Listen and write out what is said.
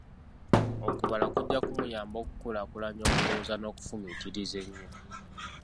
Okubala kujja kumuyamba okukulaakulanya okulowooza n'okufumiitiriza ennyo.